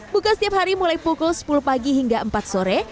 buka setiap hari mulai pukul sepuluh pagi hingga empat sore